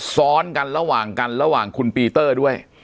ซ้อนกันระหว่างคุณปีเตอร์ด้วย